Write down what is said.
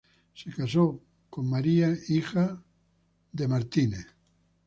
Se casó con Edith, hija de Henry St.